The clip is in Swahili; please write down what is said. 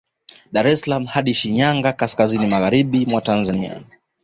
Dar es salaam hadi Shinyanga kaskazini magharibi mwa Tanzania